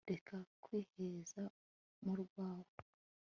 reka kwiheza mu rwawe